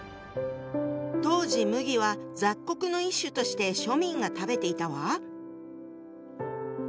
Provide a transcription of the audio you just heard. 当時麦は雑穀の一種として庶民が食べていたわ。